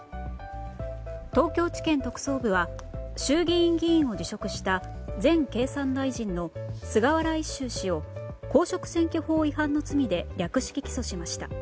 東京地検特捜部は衆議院議員を辞職した前経産大臣の菅原一秀氏を公職選挙法違反の罪で略式起訴しました。